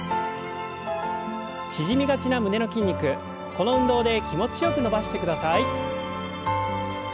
縮みがちな胸の筋肉この運動で気持ちよく伸ばしてください。